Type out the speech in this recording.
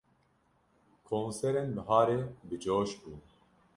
Konserên biharê bi coş bûn.